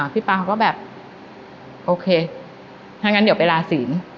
พี่ป๊าเขาก็แบบโอเคถ้างั้นเดี๋ยวไปลาศีล